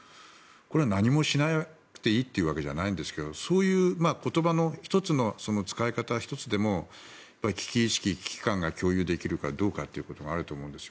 これは何もしなくていいというわけじゃないんですけどそういう言葉の使い方１つでも危機意識、危機感が共有できるかというところだと思うんです。